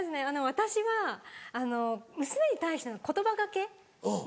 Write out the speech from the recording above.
私は娘に対しての言葉掛けが。